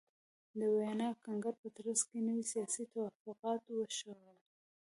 د ویانا کنګرې په ترڅ کې نوي سیاسي توافقات وشول.